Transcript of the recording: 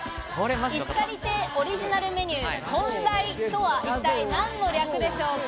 石狩亭オリジナルメニュー、トンライとは一体何の略でしょうか。